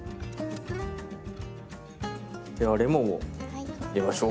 ではレモンを入れましょう。